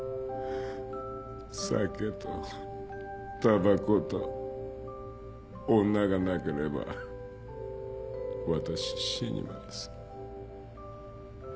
酒とタバコと女がなければわたし死にます。